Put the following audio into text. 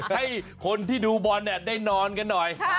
ให้คนที่ดูบอลได้นอนกันหน่อย